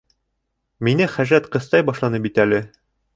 Мине хәжәт ҡыҫтай башланы бит әле.